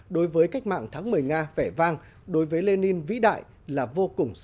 đối với cách mạng tháng một mươi nga vẻ vang đối với lenin vĩ đại là vô cùng sâu sắc